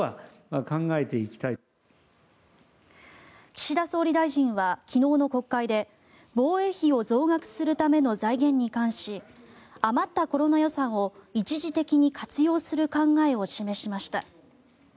岸田総理大臣は昨日の国会で防衛費を増額するための財源に関し余ったコロナ予算を一時的に活用する考えを示しました。